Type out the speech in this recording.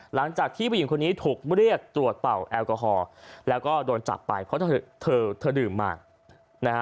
หลังจากที่ผู้หญิงคนนี้ถูกเรียกตรวจเป่าแอลกอฮอลแล้วก็โดนจับไปเพราะเธอเธอดื่มมานะฮะ